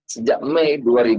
sejak mei dua ribu dua puluh